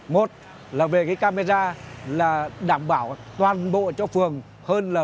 một là về cái camera là đảm bảo toàn bộ cho phường hơn là